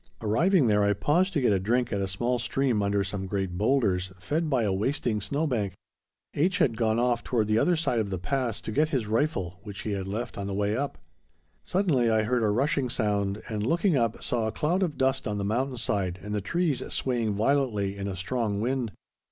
Arriving there I paused to get a drink at a small stream under some great boulders, fed by a wasting snow bank. H. had gone off toward the other side of the pass to get his rifle, which he had left on the way up. Suddenly I heard a rushing sound, and, looking up, saw a cloud of dust on the mountain side and the trees swaying violently in a strong wind.